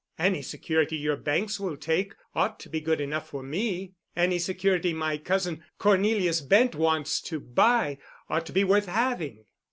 Any security your banks will take ought to be good enough for me. Any security my cousin Cornelius Bent wants to buy ought to be worth having."